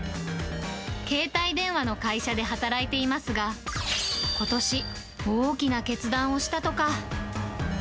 携帯電話の会社で働いていますが、ことし、大きな決断をしたとか。